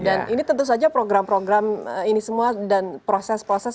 dan ini tentu saja program program ini semua dan proses proses